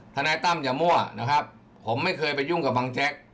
นายตั้มอย่ามั่วนะครับผมไม่เคยไปยุ่งกับบังแจ๊ก